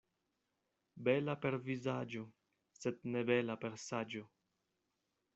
Bela per vizaĝo, sed ne bela per saĝo.